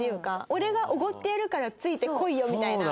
俺がおごってやるからついてこいよみたいな。